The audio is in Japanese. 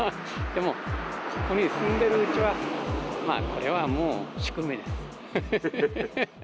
でもここに住んでるうちは、まあ、これはもう宿命です。